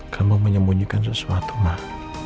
kamu menyembunyikan sesuatu mah